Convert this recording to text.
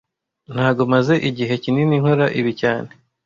Ntago maze igihe kinini nkora ibi cyane